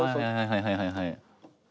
はいはいはいはい。